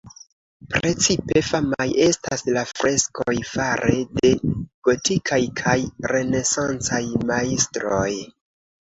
Precipe famaj estas la freskoj fare de gotikaj kaj renesancaj majstroj.